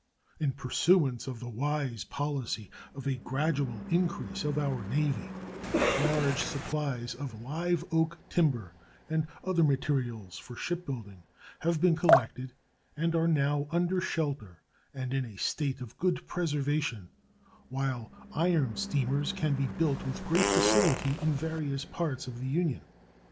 In pursuance of the wise policy of a gradual increase of our Navy, large supplies of live oak timber and other materials for shipbuilding have been collected and are now under shelter and in a state of good preservation, while iron steamers can be built with great facility in various parts of the Union.